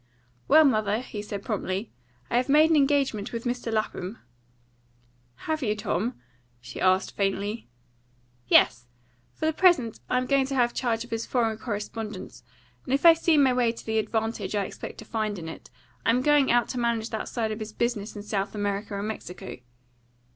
"Well, mother," he said promptly, "I have made an engagement with Mr. Lapham." "Have you, Tom?" she asked faintly. "Yes. For the present I am going to have charge of his foreign correspondence, and if I see my way to the advantage I expect to find in it, I am going out to manage that side of his business in South America and Mexico.